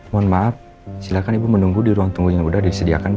mohon maaf silahkan ibu menunggu di ruang tunggu yang sudah disediakan